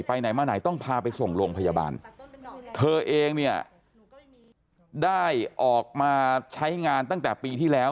ไหนมาไหนต้องพาไปส่งโรงพยาบาลเธอเองเนี่ยได้ออกมาใช้งานตั้งแต่ปีที่แล้ว